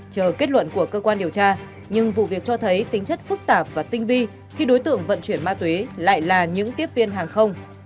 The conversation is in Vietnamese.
chờ kết luận của cơ quan điều tra nhưng vụ việc cho thấy tính chất phức tạp và tinh vi khi đối tượng vận chuyển ma túy lại là những tiếp viên hàng không